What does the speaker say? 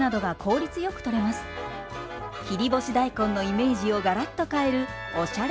切り干し大根のイメージをガラッと変えるおしゃれ